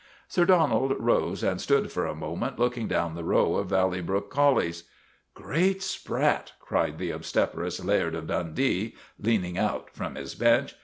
Sir Donald rose and stood for a moment looking down the row of Valley Brook collies. " Great Spratt! " cried the obstreperous Laird o' Dundee, leaning out from his bench.